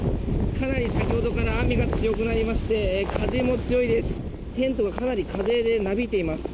かなり先ほどから雨が強くなりまして風も強いです。